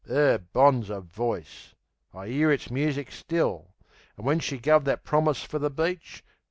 'Er bonzer voice! I 'ear its music still, As when she guv that promise fer the beach.